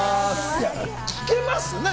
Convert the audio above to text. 聞けます？